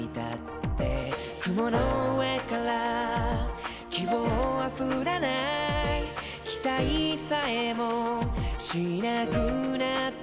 「雲の上から希望は降らない」「期待さえもしなくなった僕に」